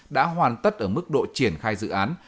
đã hoàn tất ở mức độ triển khai dự án